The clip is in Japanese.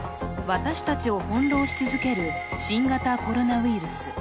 私たちを翻弄し続ける新型コロナウイルス。